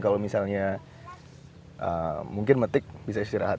kalau misalnya mungkin metik bisa istirahat